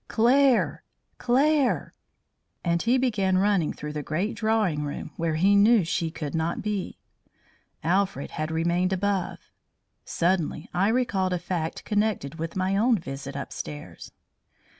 "Claire! Claire!" And he began running through the great drawing room where we knew she could not be. Alfred had remained above. Suddenly I recalled a fact connected with my own visit upstairs.